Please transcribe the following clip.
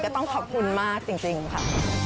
ต้องขอบคุณมากจริงค่ะ